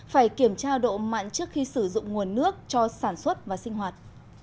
phải kiểm tra độ mặn trước khi sử dụng nguồn nước cho sản xuất và sinh hoạt